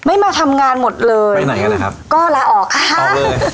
ไม่มาทำงานหมดเลยไปไหนกันนะครับก็ละออกค่ะเอาเลย